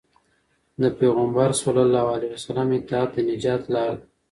د پيغمبر ﷺ اطاعت د نجات لار ده.